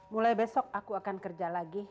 mulai besok aku akan kerja lagi